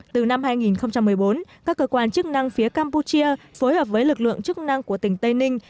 từ năm hai nghìn một mươi bốn các cơ quan chức năng phía campuchia phối hợp với lực lượng chức năng của tỉnh tây ninh